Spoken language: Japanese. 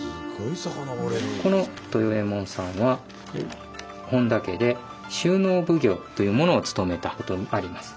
この豊右衛門さんは本多家で収納奉行というものを務めたとあります。